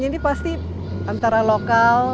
ini pasti antara lokal